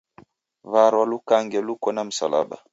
Warwa lukange luko na msalaba